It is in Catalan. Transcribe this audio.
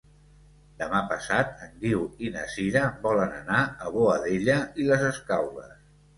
Demà passat en Guiu i na Sira volen anar a Boadella i les Escaules.